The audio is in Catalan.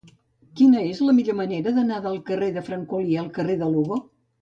Quina és la millor manera d'anar del carrer del Francolí al carrer de Lugo?